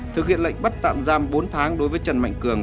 thực hiện lệnh bắt tạm giam bốn tháng đối với trần mạnh cường